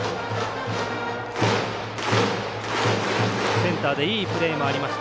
センターでいいプレーもありました。